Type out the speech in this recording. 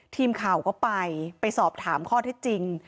ทีมข่าวก็ไปไปสอบถามข้อเท็จจริง